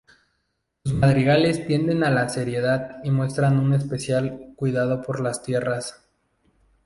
Sus madrigales tienden a la seriedad y muestran un especial cuidado por las letras.